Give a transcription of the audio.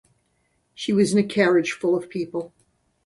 She was in a carriage full of people.